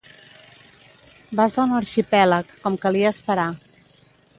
Vas a un arxipèlag, com calia esperar.